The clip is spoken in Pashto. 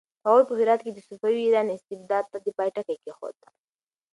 هغوی په هرات کې د صفوي ایران استبداد ته د پای ټکی کېښود.